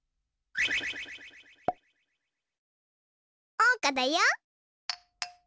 おうかだよ。